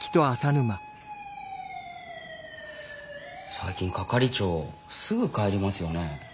最近係長すぐ帰りますよね。